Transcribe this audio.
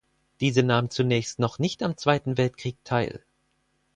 Diese nahm zunächst noch nicht am Zweiten Weltkrieg teil.